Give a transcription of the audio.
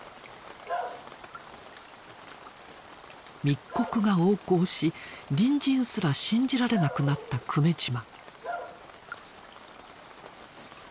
密告が横行し隣人すら信じられなくなった久米島。